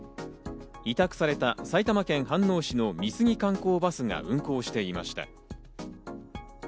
委託された埼玉県飯能市の美杉観光バスが運行していました。